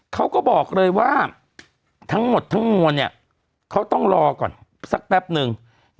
เขาก็บอกเลยว่าทั้งหมดทั้งมวลเนี่ยเขาต้องรอก่อนสักแป๊บนึง